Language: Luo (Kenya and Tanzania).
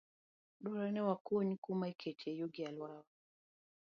Dwarore ni wakuny kama iketie yugi e alworawa.